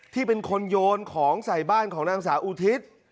ที่เป็นคนโยนของใส่บ้านของนางสาวอุทิศ